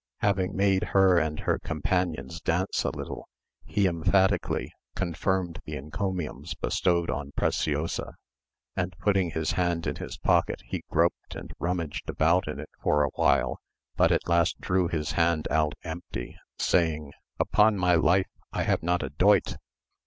Having made her and her companions dance a little, he emphatically confirmed the encomiums bestowed on Preciosa; and putting his hand in his pocket he groped and rummaged about in it for a while, but at last drew his hand out empty, saying, "Upon my life I have not a doit.